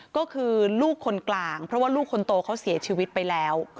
ก็คือลูกคนกลางเพราะว่าลูกคนโตเขาเสียชีวิตไปแล้ว